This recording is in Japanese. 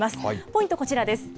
ポイント、こちらです。